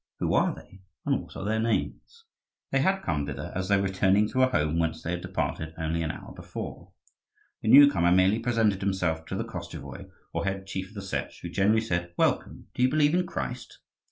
who are they? and what are their names?" They had come thither as though returning to a home whence they had departed only an hour before. The new comer merely presented himself to the Koschevoi, or head chief of the Setch, who generally said, "Welcome! Do you believe in Christ?"